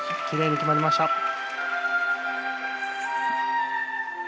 きれいに決まりました。